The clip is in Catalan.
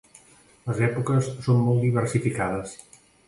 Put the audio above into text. Les èpoques són molt diversificades.